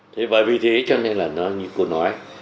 thế và vì thế cho nên là nó như cô nói